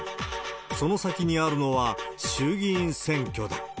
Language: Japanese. その先にあるのは、衆議院選挙だ。